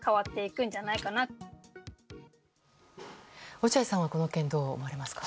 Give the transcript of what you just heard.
落合さんは、この件どう思われますか。